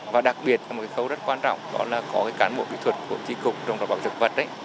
và đặc biệt là một cái khâu rất quan trọng đó là có cái cán bộ kỹ thuật của chi cục trồng rau bọc dược vật ấy